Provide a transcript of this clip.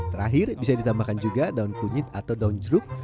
terakhir bisa ditambahkan juga daun kunyit atau daun jeruk